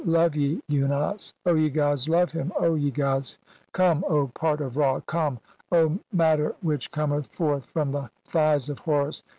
Love ye Unas, O ye gods, love him, O "ye gods. Come, O part of Ra, come, O matter which "cometh forth from the thighs of Horus.